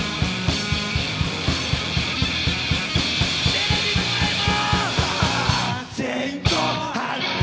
テレビの前も！